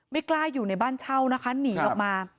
ไม่กล้าอยู่ในบ้านเช่านะคะหนีออกมา